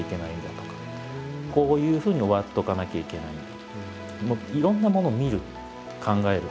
こういうふうに終わっとかなきゃいけないんだ。